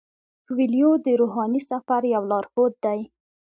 کویلیو د روحاني سفر یو لارښود دی.